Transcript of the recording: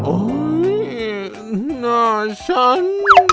โอ้ยหน้าฉัน